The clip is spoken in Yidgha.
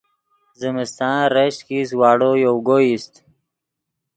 زمستان ریشک ایست واڑو یوگو ایست